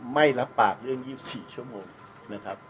ไม่รับปากเรื่อง๒๔ชั่วโมงนะครับ